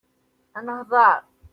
Ad nehḍeṛ.